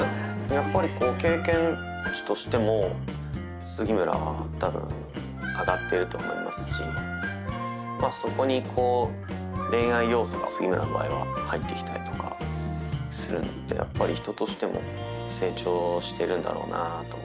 やっぱりこう経験値としても杉村は多分上がってると思いますしまあそこに恋愛要素が杉村の場合は入ってきたりとかするのでやっぱり人としても成長してるんだろうなあと思って。